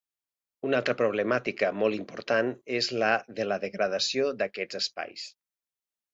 Una altra problemàtica molt important és la de la degradació d'aquests espais.